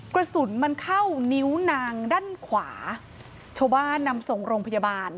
กระสุนมันเข้านิ้วนางด้านขวาชาวบ้านนำส่งโรงพยาบาล